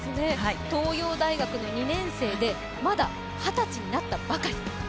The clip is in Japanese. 東洋大学の２年生で、まだ二十歳になったばかり。